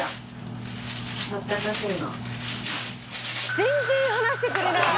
全然話してくれない。